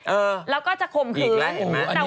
เอออีกแล้วเห็นไหมอันนี้แล้วก็จะข่มขึ้น